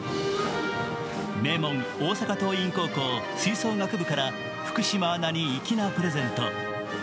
名門・大阪桐蔭高校吹奏楽部から福島アナに粋なプレゼント。